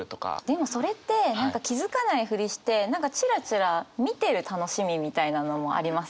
でもそれって何か気付かないふりしてチラチラ見てる楽しみみたいなのもありません？